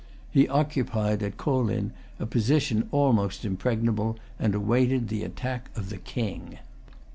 He occupied at Kolin a position almost impregnable, and awaited the attack of the King.